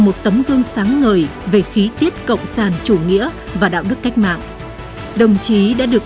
một tấm gương sáng ngời về khí tiết cộng sản chủ nghĩa và đạo đức cách mạng đồng chí đã được